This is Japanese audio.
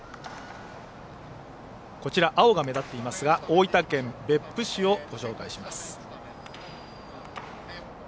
こちら、青が目立っていますが大分県別府市をご紹介します。